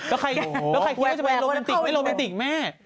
แล้วใครเคียร์จะไปโรแมนติกไม่โรแมนติกแม่